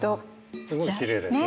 すごいきれいですね。